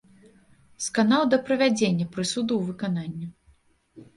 Сканаў да прывядзення прысуду ў выкананне.